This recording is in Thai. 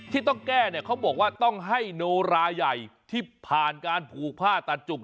ที่ต้องแก้เนี่ยเขาบอกว่าต้องให้โนราใหญ่ที่ผ่านการผูกผ้าตัดจุก